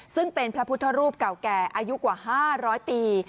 ซึ่งเป็นพระพุทธรูปเก่าแก่อายุกว่า๕๐๐ปี